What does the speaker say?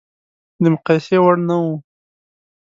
د مقایسې وړ نه و.